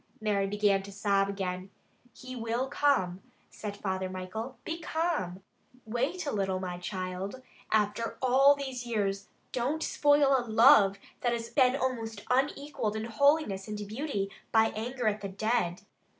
Mary began to sob again. "He will come," said Father Michael. "Be calm! Wait a little, my child. After all these years, don't spoil a love that has been almost unequaled in holiness and beauty, by anger at the dead.